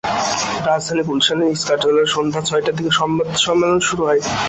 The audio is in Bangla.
রাজধানীর গুলশানে নিজ কার্যালয়ে সন্ধ্যা ছয়টার দিকে সংবাদ সম্মেলন শুরু হয়।